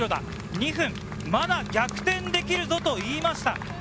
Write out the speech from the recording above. ２分、まだ逆転できるぞ！と言いました。